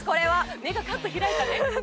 目がカッと開いたね。